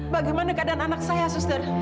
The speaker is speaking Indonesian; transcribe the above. bagaimana keadaan anak saya suster